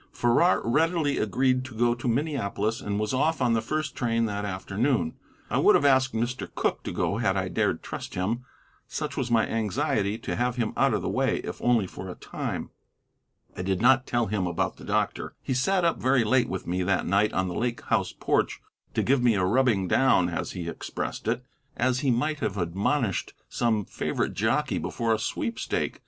Farrar readily agreed to go to Minneapolis, and was off on the first train that afternoon. I would have asked Mr. Cooke to go had I dared trust him, such was my anxiety to have him out of the way, if only for a time. I did not tell him about the doctor. He sat up very late with me that night on the Lake House porch to give me a rubbing down, as he expressed it, as he might have admonished some favorite jockey before a sweepstake.